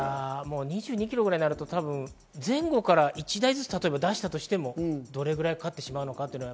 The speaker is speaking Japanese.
２２キロになると、前後から１台ずつ出したとしてもどれぐらいかかってしまうのかは。